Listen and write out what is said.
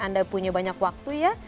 anda punya banyak waktu ya